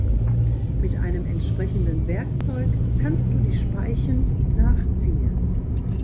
Mit einem entsprechenden Werkzeug kannst du die Speichen nachziehen.